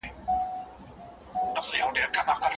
آیا لوستل تر لیکلو اسانه دي؟